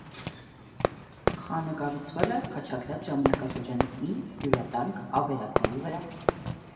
Խանը կառուցվել է խաչակրաց ժամանակաշրջանի հին հյուրատան ավերակների վրա։